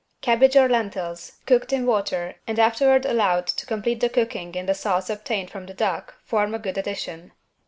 Cabbage or lentils, cooked in water and afterward allowed to complete the cooking in the sauce obtained from the duck, form a good addition.